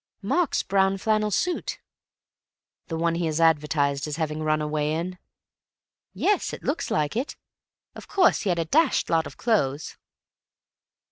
"Mark's brown flannel suit." "The one he is advertised as having run away in?" "Yes. It looks like it. Of course he had a dashed lot of clothes."